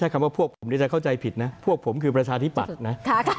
สักครั้งพวกผมนี่ใจเข้าใจผิดนะพวงผมก็คือประชาธิปัตรนะ